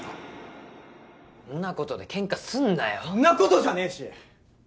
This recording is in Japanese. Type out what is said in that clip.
んなことでケンカすんなよんなことじゃねえし！